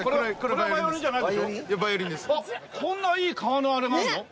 こんないい革のあれがあるの？